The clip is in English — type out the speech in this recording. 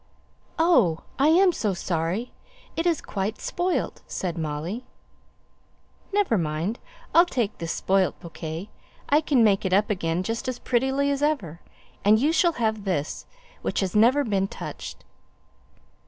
"Oh, I am so sorry! It is quite spoilt," said Molly. "Never mind! I'll take this spoilt bouquet; I can make it up again just as prettily as ever; and you shall have this, which has never been touched."